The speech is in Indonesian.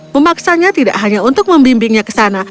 memaksanya tidak hanya untuk membimbingnya ke sana